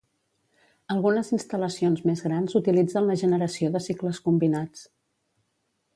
Algunes instal·lacions més grans utilitzen la generació de cicles combinats.